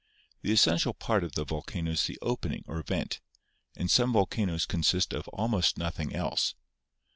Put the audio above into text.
The essential part of the volcano is the opening, or vent, and some volcanoes con sists of almost nothing else.